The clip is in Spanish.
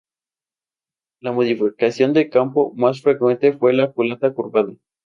La modificación de campo más frecuente fue la culata curvada.